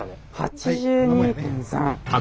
８２．３？